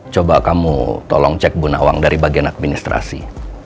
coba kamu tolong cek bu nawang dari bagan administrasi